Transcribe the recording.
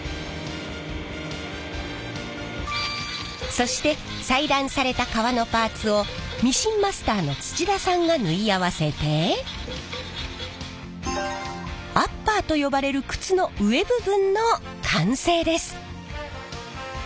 そして裁断された革のパーツをミシンマスターの土田さんが縫い合わせてアッパーと呼ばれる靴の上部分の完成です。